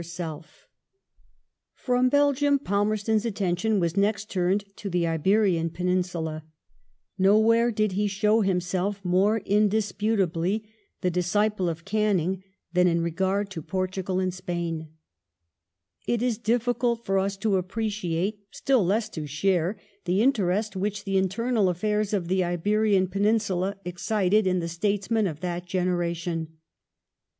• 150 THE FOREIGN POLICY OF LORD PALMERSTON [1830 Affairs in From Belgium Pal mei*s ton's attention was next turned to the Portugal Ibenan Peninsula Nowhere did he show himself more indisputably the disciple of Canning than in regard to Portugal and Spain. It is difficult for us to appreciate, still less to share, the interest which the internal affairs of the Iberian Peninsula excited in the statesmen of that generation.